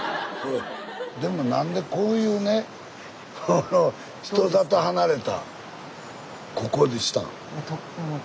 でも何でこういうね人里離れたここにしたの？